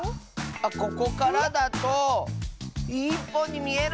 ⁉あっここからだと１ぽんにみえる！